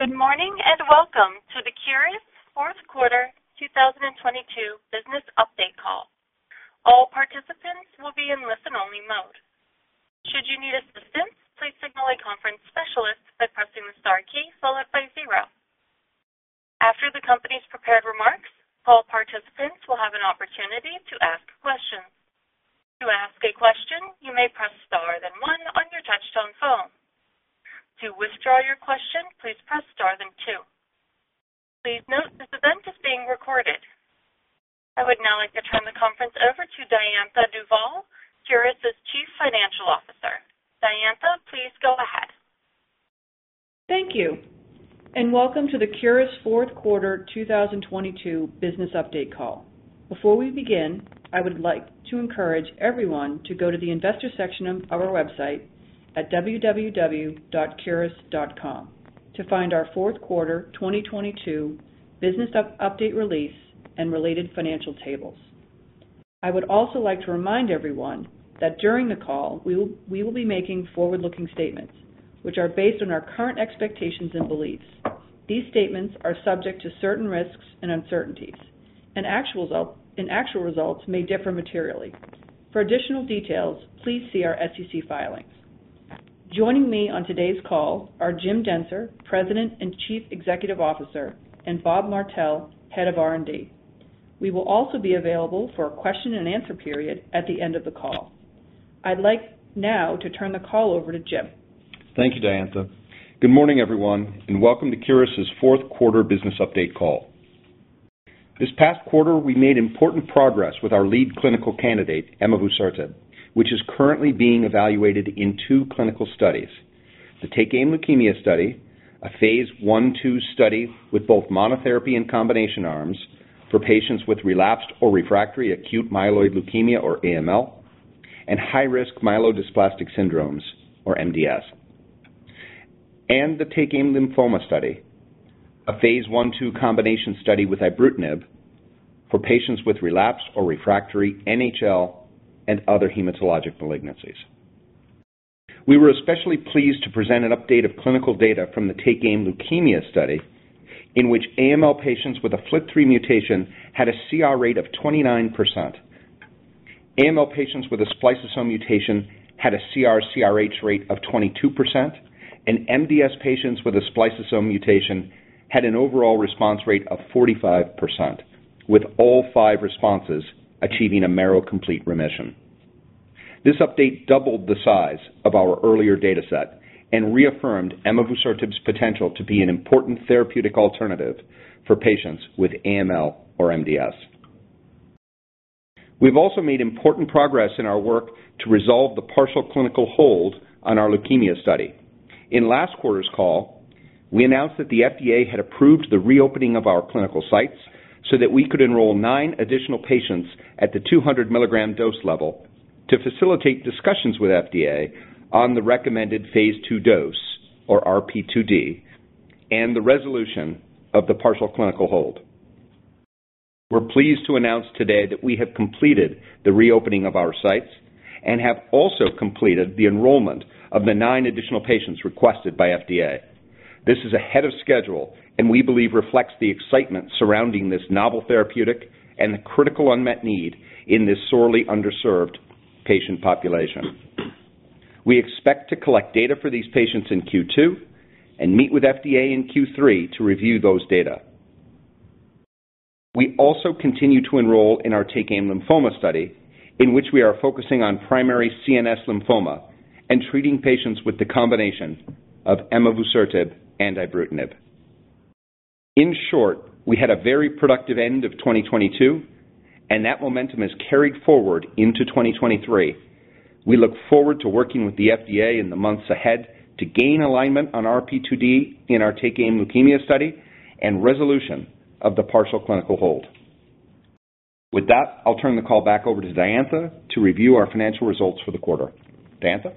Good morning, Welcome to the Curis Q4 2022 Business Update Call. All participants will be in listen-only mode. Should you need assistance, please signal a conference specialist by pressing the star key followed by zero. After the company's prepared remarks, all participants will have an opportunity to ask questions. To ask a question, you may press star then one on your touchtone phone. To withdraw your question, please press star then two. Please note this event is being recorded. I would now like to turn the conference over to Diantha Duvall, Curis's Chief Financial Officer. Diantha, please go ahead. Thank you. Welcome to the Curis Q4 2022 business update call. Before we begin, I would like to encourage everyone to go to the investor section of our website at www.curis.com to find our Q4 2022 business update release and related financial tables. I would also like to remind everyone that during the call, we will be making forward-looking statements which are based on our current expectations and beliefs. These statements are subject to certain risks and uncertainties, and actual results may differ materially. For additional details, please see our SEC filings. Joining me on today's call are Jim Dentzer, President and Chief Executive Officer, and Bob Martell, Head of R&D. We will also be available for a question and answer period at the end of the call. I'd like now to turn the call over to Jim. Thank you, Diantha. Good morning, everyone, and welcome to Curis's Q4 business update call. This past quarter, we made important progress with our lead clinical candidate, emavusertib, which is currently being evaluated in two clinical studies. The TakeAim Leukemia study, a phase 1/2 study with both monotherapy and combination arms for patients with relapsed or refractory acute myeloid leukemia, or AML, and high-risk myelodysplastic syndromes, or MDS. The TakeAim Lymphoma study, a phase 1/2 combination study with ibrutinib for patients with relapse or refractory NHL and other hematologic malignancies. We were especially pleased to present an update of clinical data from the TakeAim Leukemia study, in which AML patients with a FLT3 mutation had a CR rate of 29%. AML patients with a spliceosome mutation had a CR/CRh rate of 22%, and MDS patients with a spliceosome mutation had an overall response rate of 45%, with all 5 responses achieving a marrow complete remission. This update doubled the size of our earlier data set and reaffirmed emavusertib's potential to be an important therapeutic alternative for patients with AML or MDS. We've also made important progress in our work to resolve the partial clinical hold on our leukemia study. In last quarter's call, we announced that the FDA had approved the reopening of our clinical sites so that we could enroll 9 additional patients at the 200 milligram dose level to facilitate discussions with FDA on the recommended phase II dose or RP2D and the resolution of the partial clinical hold. We're pleased to announce today that we have completed the reopening of our sites and have also completed the enrollment of the nine additional patients requested by FDA. This is ahead of schedule, and we believe reflects the excitement surrounding this novel therapeutic and the critical unmet need in this sorely underserved patient population. We expect to collect data for these patients in Q2 and meet with FDA in Q3 to review those data. We also continue to enroll in our TakeAim Lymphoma study, in which we are focusing on primary CNS lymphoma and treating patients with the combination of emavusertib and ibrutinib. In short, we had a very productive end of 2022, and that momentum has carried forward into 2023. We look forward to working with the FDA in the months ahead to gain alignment on our RP2D in our TakeAim Leukemia study and resolution of the partial clinical hold. With that, I'll turn the call back over to Diantha to review our financial results for the quarter. Diantha.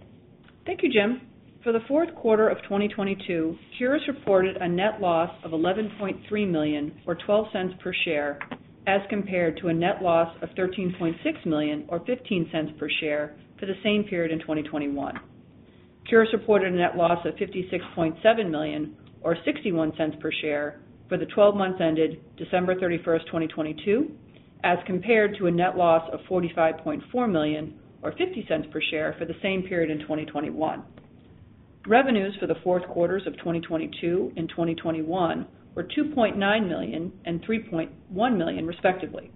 Thank you, Jim. For the Q4 of 2022, Curis reported a net loss of $11.3 million or $0.12 per share as compared to a net loss of $13.6 million or $0.15 per share for the same period in 2021. Curis reported a net loss of $56.7 million or $0.61 per share for the 12 months ended December 31, 2022, as compared to a net loss of $45.4 million or $0.50 per share for the same period in 2021. Revenues for the Q4s of 2022 and 2021 were $2.9 million and $3.1 million, respectively.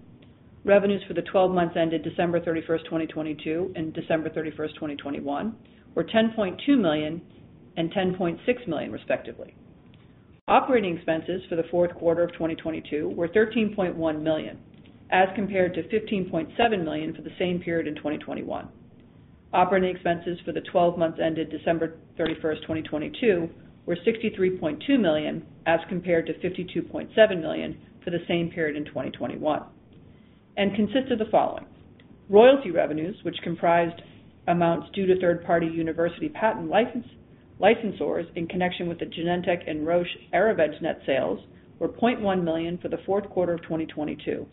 Revenues for the 12 months ended December 31st, 2022 and December 31st, 2021 were $10.2 million and $10.6 million, respectively. Operating expenses for the Q4 of 2022 were $13.1 million as compared to $15.7 million for the same period in 2021. Operating expenses for the 12 months ended December 31st, 2022 were $63.2 million as compared to $52.7 million for the same period in 2021 and consist of the following. Royalty revenues, which comprised amounts due to third-party university patent license, licensors in connection with the Genentech and Roche Erivedge net sales were $0.1 million for the Q4 of 2022,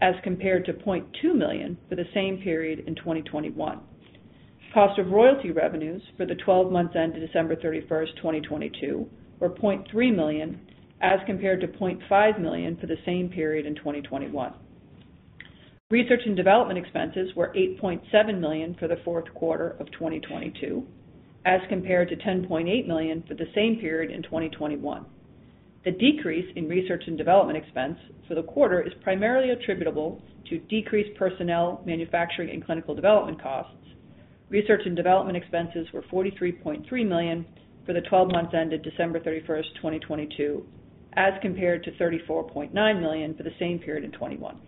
as compared to $0.2 million for the same period in 2021. Cost of royalty revenues for the 12 months ended December 31st, 2022 were $0.3 million as compared to $0.5 million for the same period in 2021. Research and development expenses were $8.7 million for the Q4 of 2022, as compared to $10.8 million for the same period in 2021. The decrease in research and development expense for the quarter is primarily attributable to decreased personnel, manufacturing, and clinical development costs. Research and development expenses were $43.3 million for the 12 months ended December 31st, 2022, as compared to $34.9 million for the same period in 2021.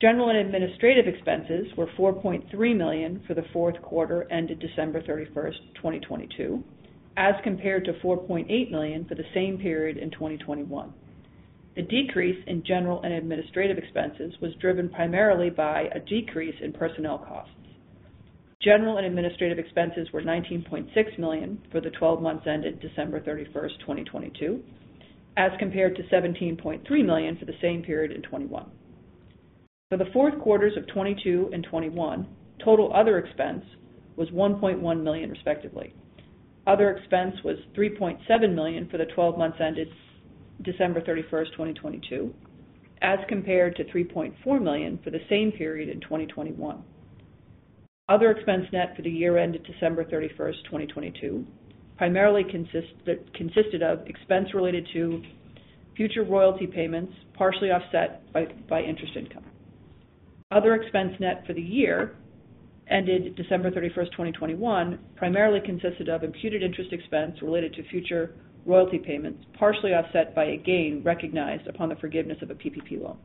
General and administrative expenses were $4.3 million for the Q4 ended December 31st, 2022, as compared to $4.8 million for the same period in 2021. The decrease in general and administrative expenses was driven primarily by a decrease in personnel costs. General and administrative expenses were $19.6 million for the 12 months ended December 31st, 2022, as compared to $17.3 million for the same period in 2021. For the Q4s of 2022 and 2021, total other expense was $1.1 million respectively. Other expense was $3.7 million for the 12 months ended December 31st, 2022, as compared to $3.4 million for the same period in 2021. Other expense net for the year ended December 31st, 2022 primarily consisted of expense related to future royalty payments, partially offset by interest income. Other expense net for the year ended December 31st, 2021 primarily consisted of imputed interest expense related to future royalty payments, partially offset by a gain recognized upon the forgiveness of a PPP loan.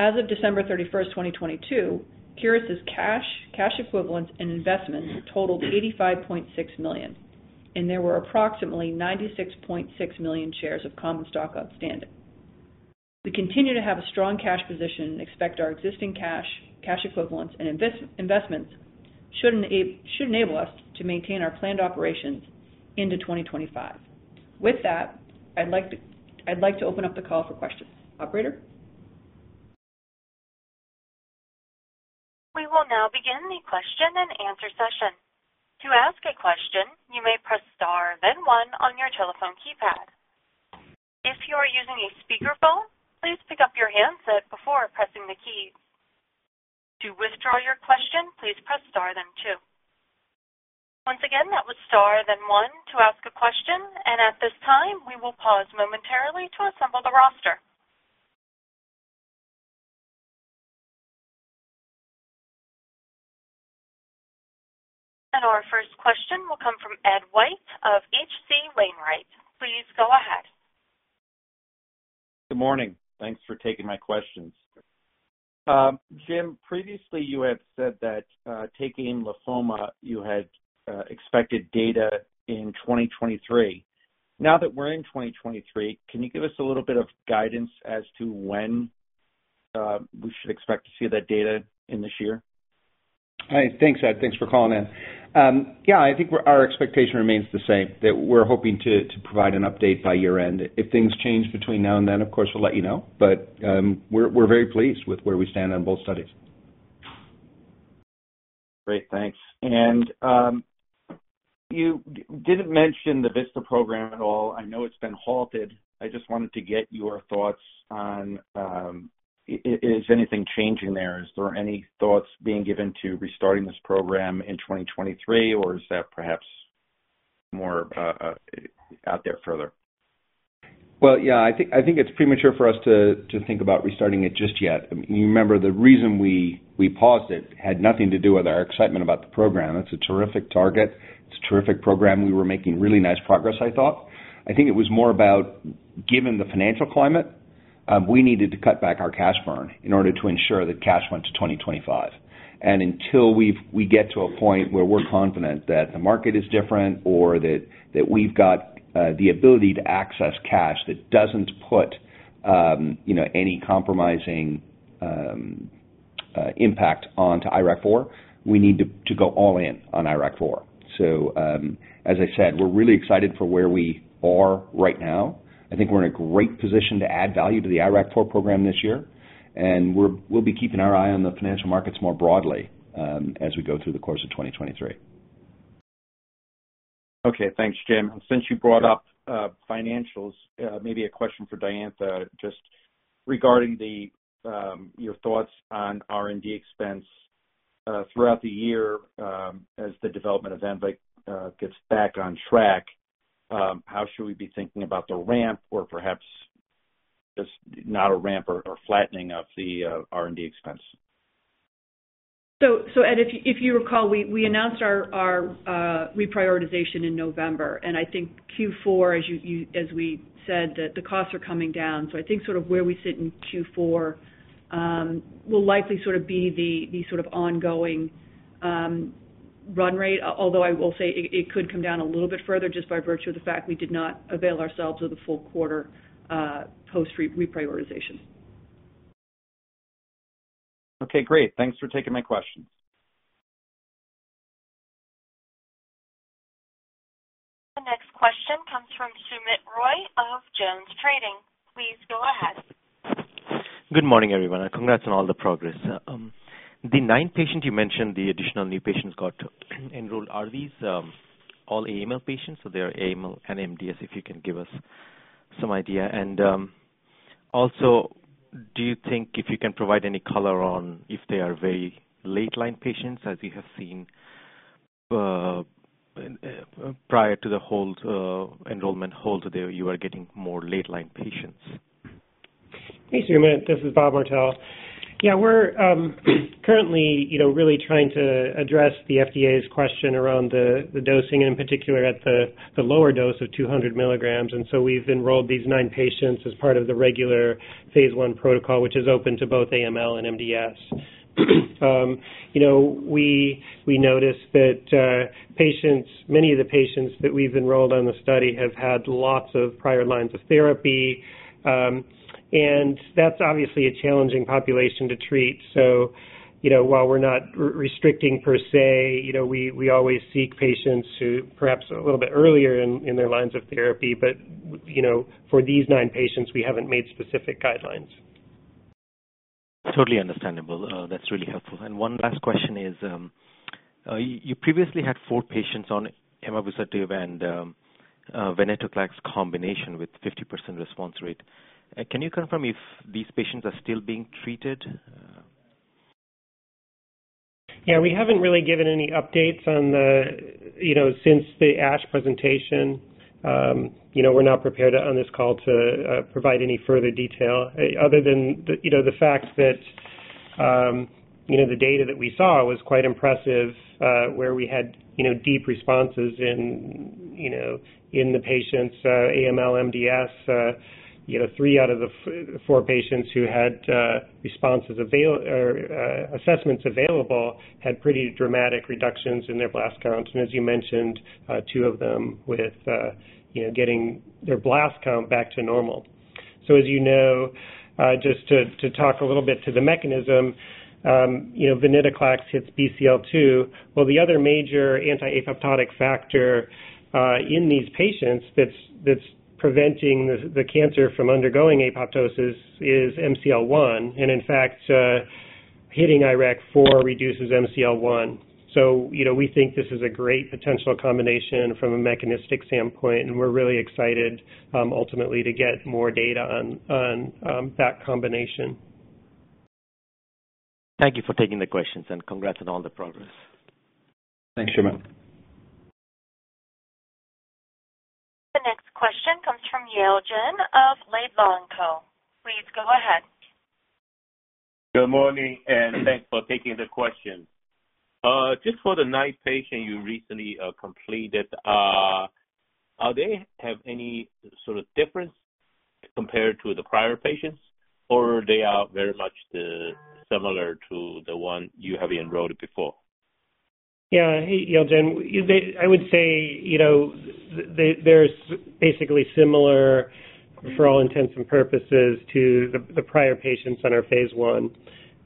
As of December 31st, 2022, Curis' cash equivalents and investments totaled $85.6 million. There were approximately 96.6 million shares of common stock outstanding. We continue to have a strong cash position and expect our existing cash equivalents and investments should enable us to maintain our planned operations into 2025. With that, I'd like to open up the call for questions. Operator? We will now begin the question and answer session. To ask a question, you may press star then 1 on your telephone keypad. If you are using a speakerphone, please pick up your handset before pressing the key. To withdraw your question, please press star then two. Once again, that was star then one to ask a question. At this time, we will pause momentarily to assemble the roster. Our first question will come from Ed White of H.C. Wainwright. Please go ahead. Good morning. Thanks for taking my questions. Jim, previously you had said that, TakeAim Lymphoma, you had expected data in 2023. Now that we're in 2023, can you give us a little bit of guidance as to when we should expect to see that data in this year? Hey, thanks, Ed. Thanks for calling in. Yeah, I think our expectation remains the same, that we're hoping to provide an update by year-end. If things change between now and then, of course, we'll let you know. We're very pleased with where we stand on both studies. Great. Thanks. You didn't mention the VISTA program at all. I know it's been halted. I just wanted to get your thoughts on, is anything changing there? Is there any thoughts being given to restarting this program in 2023, or is that perhaps more, out there further? Well, yeah, I think it's premature for us to think about restarting it just yet. You remember the reason we paused it had nothing to do with our excitement about the program. It's a terrific target. It's a terrific program. We were making really nice progress, I thought. I think it was more about, given the financial climate, we needed to cut back our cash burn in order to ensure that cash went to 2025. Until we get to a point where we're confident that the market is different or that we've got the ability to access cash that doesn't put, you know, any compromising impact onto IRAK4, we need to go all in on IRAK4. As I said, we're really excited for where we are right now. I think we're in a great position to add value to the IRAK4 program this year, and we'll be keeping our eye on the financial markets more broadly, as we go through the course of 2023. Okay. Thanks, Jim. Since you brought up financials, maybe a question for Diantha, just regarding your thoughts on R&D expense throughout the year, as the development of emavusertib gets back on track. How should we be thinking about the ramp or perhaps just not a ramp or flattening of the R&D expense? Ed, if you recall, we announced our reprioritization in November. I think Q4, as you as we said, that the costs are coming down. I think sort of where we sit in Q4, will likely sort of be the sort of ongoing run rate. Although I will say it could come down a little bit further just by virtue of the fact we did not avail ourselves of the full quarter, post reprioritization. Okay, great. Thanks for taking my questions. The next question comes from Soumit Roy of JonesTrading. Please go ahead. Good morning, everyone, and congrats on all the progress. The nine patients you mentioned, the additional new patients got enrolled, are these, all AML patients, so they are AML and MDS, if you can give us some idea? Also, do you think if you can provide any color on if they are very late-line patients, as you have seen, prior to the hold, enrollment hold there, you are getting more late-line patients? Hey, Soumit. This is Bob Martell. Yeah, we're currently, you know, really trying to address the FDA's question around the dosing and in particular at the lower dose of 200 mg. We've enrolled these nine patients as part of the regular phase I protocol, which is open to both AML and MDS. You know, we noticed that patients, many of the patients that we've enrolled on the study have had lots of prior lines of therapy, that's obviously a challenging population to treat. You know, while we're not restricting per se, you know, we always seek patients who perhaps are a little bit earlier in their lines of therapy. You know, for these 9 patients, we haven't made specific guidelines. Totally understandable. That's really helpful. One last question is, you previously had four patients on emavusertib and venetoclax combination with 50% response rate. Can you confirm if these patients are still being treated? Yeah, we haven't really given any updates on the, you know, since the ASH presentation. We're not prepared on this call to provide any further detail other than the, you know, the fact that, you know, the data that we saw was quite impressive, where we had, you know, deep responses in, you know, in the patients' AML, MDS. You know, 3 out of the 4 patients who had responses or assessments available had pretty dramatic reductions in their blast counts, and as you mentioned, 2 of them with, you know, getting their blast count back to normal. As you know, just to talk a little bit to the mechanism, you know, venetoclax hits BCL-2, while the other major anti-apoptotic factor, in these patients that's preventing the cancer from undergoing apoptosis is MCL-1. In fact, hitting IRAK4 reduces MCL-1. You know, we think this is a great potential combination from a mechanistic standpoint, and we're really excited, ultimately to get more data on that combination. Thank you for taking the questions, and congrats on all the progress. Thanks, Soumit. The next question comes from Yale Jen of Laidlaw & Company. Please go ahead. Good morning, thanks for taking the question. Just for the nine patient you recently, completed, are they have any sort of difference compared to the prior patients or they are very much the similar to the one you have enrolled before? Yeah. Hey, Yale Jen. I would say, you know, they're basically similar for all intents and purposes to the prior patients on our phase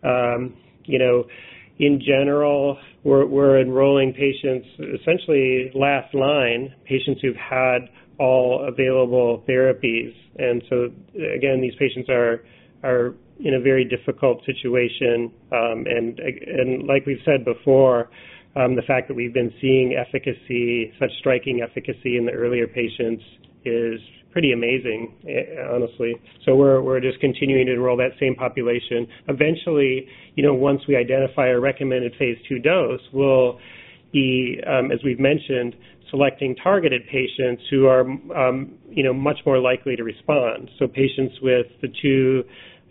I. You know, in general, we're enrolling patients, essentially last line, patients who've had all available therapies. So again, these patients are in a very difficult situation. And like we've said before, the fact that we've been seeing efficacy, such striking efficacy in the earlier patients is pretty amazing, honestly. We're just continuing to enroll that same population. Eventually, you know, once we identify a recommended phase II dose, we'll be, as we've mentioned, selecting targeted patients who are, you know, much more likely to respond. Patients with the two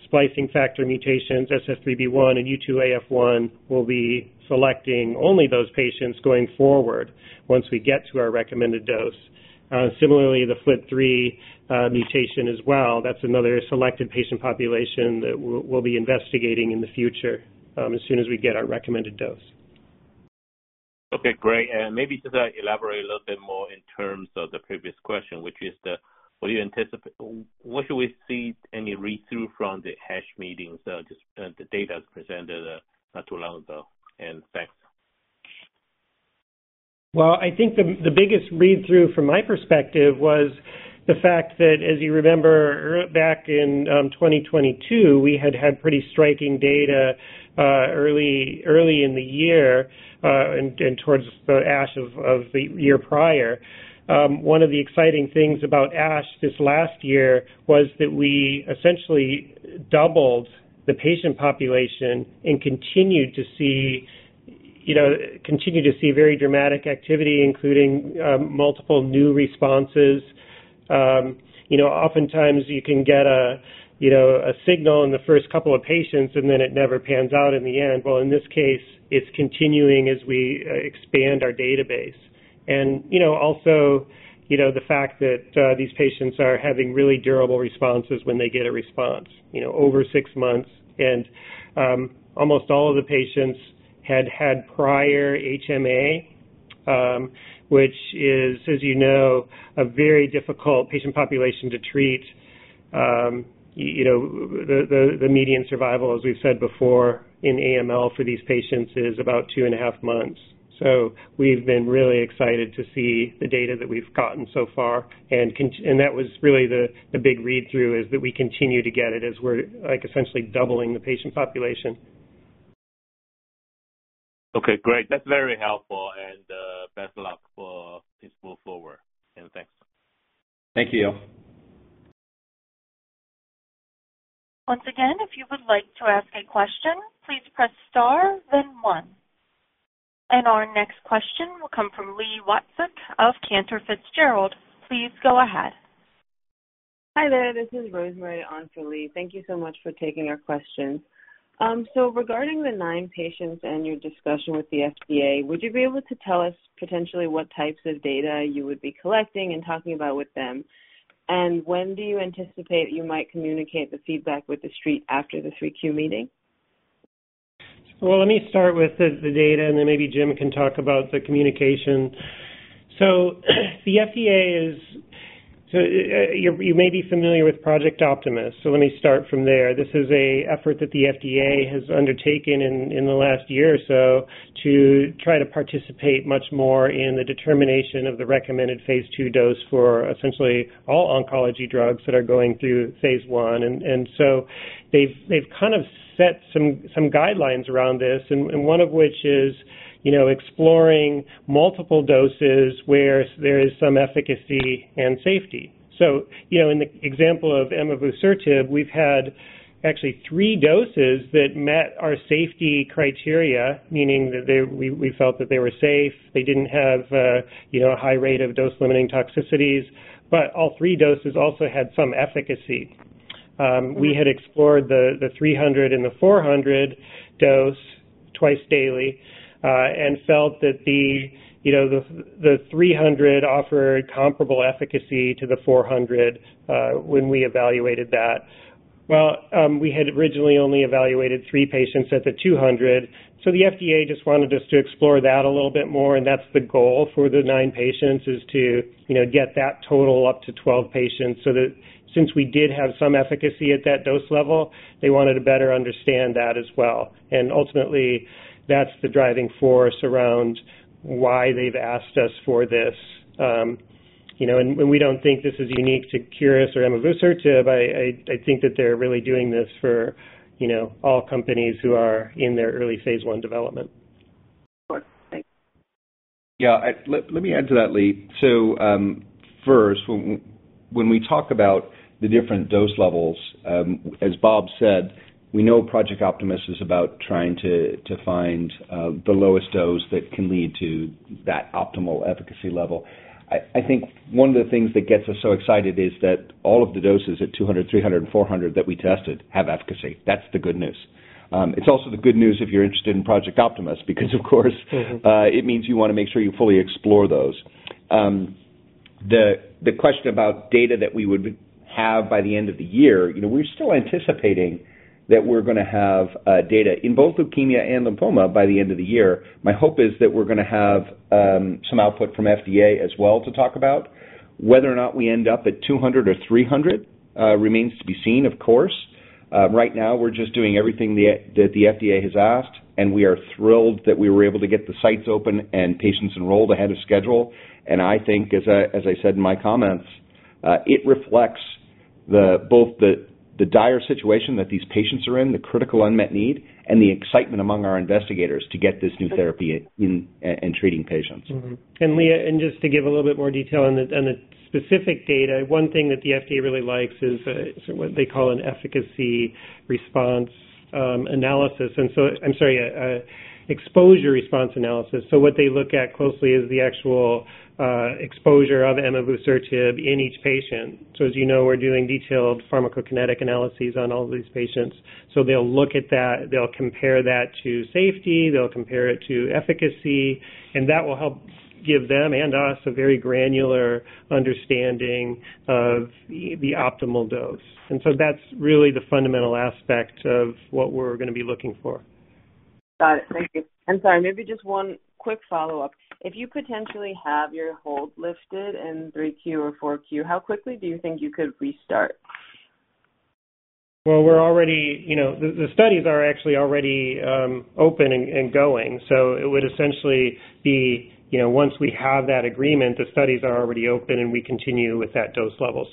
splicing factor mutations, SF3B1 and U2AF1, we'll be selecting only those patients going forward once we get to our recommended dose. Similarly, the FLT3 mutation as well, that's another selected patient population that we'll be investigating in the future, as soon as we get our recommended dose. Okay, great. Maybe just elaborate a little bit more in terms of the previous question, which is the... What do we see any read-through from the ASH meetings, just the data presented not too long ago? Thanks. Well, I think the biggest read-through from my perspective was the fact that, as you remember back in, 2022, we had had pretty striking data, early in the year, and towards the ASH of the year prior. One of the exciting things about ASH this last year was that we essentially doubled the patient population and continued to see, you know, continued to see very dramatic activity, including, multiple new responses. You know, oftentimes you can get a, you know, a signal in the first couple of patients, and then it never pans out in the end. Well, in this case, it's continuing as we expand our database. You know, also, you know, the fact that, these patients are having really durable responses when they get a response, you know, over six months. Almost all of the patients had had prior HMA, which is, as you know, a very difficult patient population to treat. You know, the median survival, as we've said before, in AML for these patients is about 2.5 months. We've been really excited to see the data that we've gotten so far and that was really the big read-through, is that we continue to get it as we're, like, essentially doubling the patient population. Okay, great. That's very helpful and best of luck for this move forward. Thanks. Thank you. Once again, if you would like to ask a question, please press star then one. Our next question will come from Lee Watsek of Cantor Fitzgerald. Please go ahead. Hi there, this is Rosemary on for Lee. Thank you so much for taking our question. Regarding the nine patients and your discussion with the FDA, would you be able to tell us potentially what types of data you would be collecting and talking about with them? When do you anticipate you might communicate the feedback with the street after the Q3 meeting? Let me start with the data, and then maybe Jim can talk about the communication. You may be familiar with Project Optimist, let me start from there. This is an effort that the FDA has undertaken in the last year or so to try to participate much more in the determination of the recommended phase II dose for essentially all oncology drugs that are going through phase I. They've kind of set some guidelines around this, and one of which is, you know, exploring multiple doses where there is some efficacy and safety. you know, in the example of emavusertib, we've had actually three doses that met our safety criteria, meaning that they, we felt that they were safe, they didn't have, you know, a high rate of dose-limiting toxicities, but all three doses also had some efficacy. We had explored the 300 and the 400 dose twice daily, and felt that the, you know, the 300 offered comparable efficacy to the 400, when we evaluated that. Well, we had originally only evaluated three patients at the 200, the FDA just wanted us to explore that a little bit more, and that's the goal for the nine patients, is to, you know, get that total up to 12 patients so that since we did have some efficacy at that dose level, they wanted to better understand that as well. Ultimately, that's the driving force around why they've asked us for this. You know, we don't think this is unique to Curis or emavusertib. I think that they're really doing this for, you know, all companies who are in their early phase I development. Sure. Thanks. Yeah, let me add to that, Li. First, when we talk about the different dose levels, as Bob Martell said, we know Project Optimist is about trying to find the lowest dose that can lead to that optimal efficacy level. I think one of the things that gets us so excited is that all of the doses at 200, 300, and 400 that we tested have efficacy. That's the good news. It's also the good news if you're interested in Project Optimist, because of course. Mm-hmm it means you wanna make sure you fully explore those. The question about data that we would have by the end of the year, you know, we're still anticipating that we're gonna have data in both leukemia and lymphoma by the end of the year. My hope is that we're gonna have some output from FDA as well to talk about. Whether or not we end up at 200 or 300 remains to be seen of course. Right now we're just doing everything that the FDA has asked, and we are thrilled that we were able to get the sites open and patients enrolled ahead of schedule. I think as I said in my comments, it reflects both the dire situation that these patients are in, the critical unmet need, and the excitement among our investigators to get this new therapy in, and treating patients. Li, just to give a little bit more detail on the specific data, one thing that the FDA really likes is sort of what they call an efficacy response analysis. I'm sorry, exposure response analysis. What they look at closely is the actual exposure of emavusertib in each patient. As you know, we're doing detailed pharmacokinetic analyses on all these patients. They'll look at that, they'll compare that to safety, they'll compare it to efficacy, and that will help give them and us a very granular understanding of the optimal dose. That's really the fundamental aspect of what we're gonna be looking for. Got it. Thank you. I'm sorry, maybe just one quick follow-up. If you potentially have your hold lifted in Q3 or Q, how quickly do you think you could restart? Well, we're already, you know, the studies are actually already open and going. It would essentially be, you know, once we have that agreement, the studies are already open, and we continue with that dose level.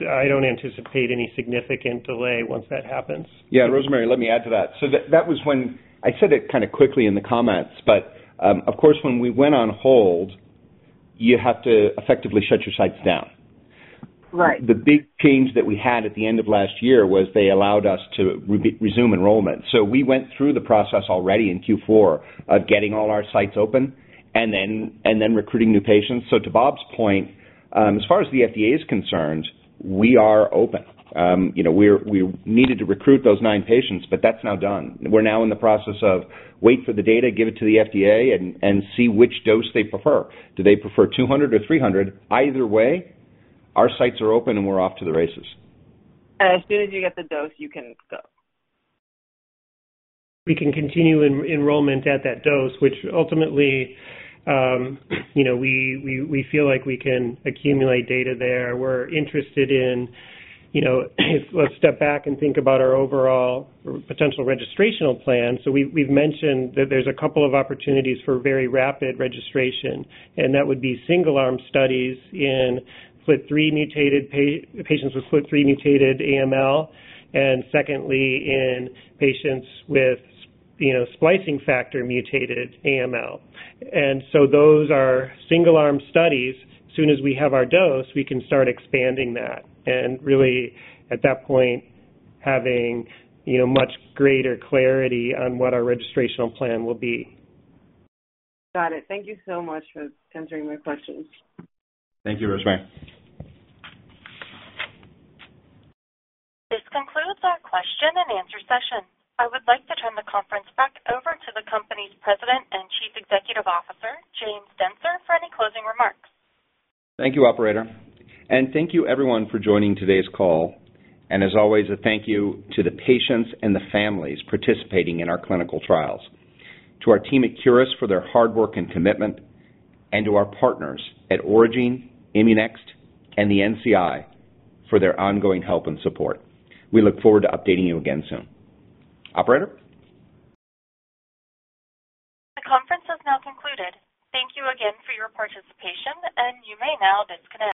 I don't anticipate any significant delay once that happens. Yeah, Rosemary, let me add to that. That was when I said it kind of quickly in the comments, but of course, when we went on hold, you have to effectively shut your sites down. Right. The big change that we had at the end of last year was they allowed us to resume enrollment. We went through the process already in Q4 of getting all our sites open and then recruiting new patients. To Bob's point, as far as the FDA is concerned, we are open. You know, we needed to recruit those nine patients, but that's now done. We're now in the process of wait for the data, give it to the FDA, and see which dose they prefer. Do they prefer 200 or 300? Either way, our sites are open, and we're off to the races. As soon as you get the dose, you can go. We can continue enrollment at that dose, which ultimately, you know, we feel like we can accumulate data there. We're interested in, you know, let's step back and think about our overall potential registrational plan. We've, we've mentioned that there's a couple of opportunities for very rapid registration, and that would be single arm studies in FLT3-mutated patients with FLT3-mutated AML, and secondly, in patients with, you know, splicing factor-mutated AML. Those are single arm studies. Soon as we have our dose, we can start expanding that and really, at that point, having, you know, much greater clarity on what our registrational plan will be. Got it. Thank you so much for answering my questions. Thank you, Rosemary. This concludes our question and answer session. I would like to turn the conference back over to the company's President and Chief Executive Officer, James Dentzer, for any closing remarks. Thank you, operator. Thank you everyone for joining today's call. As always, a thank you to the patients and the families participating in our clinical trials, to our team at Curis for their hard work and commitment, and to our partners at Aurigene, ImmuNext, and the NCI for their ongoing help and support. We look forward to updating you again soon. Operator? The conference has now concluded. Thank you again for your participation. You may now disconnect.